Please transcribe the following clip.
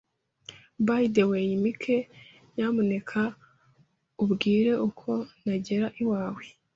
By the way, Mike, nyamuneka umbwire uko nagera iwawe.